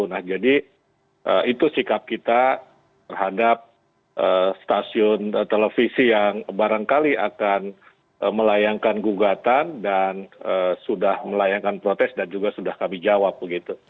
nah jadi itu sikap kita terhadap stasiun televisi yang barangkali akan melayangkan gugatan dan sudah melayangkan protes dan juga sudah kami jawab begitu